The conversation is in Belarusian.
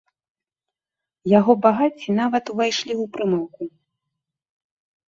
Яго багацці нават ўвайшлі ў прымаўку.